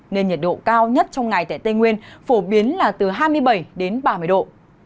nên nhiệt độ cao nhất trong ngày tại tây nguyên phổ biến là từ hai mươi bảy đến ba mươi độ